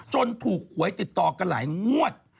ถูกหวยติดต่อกันหลายงวด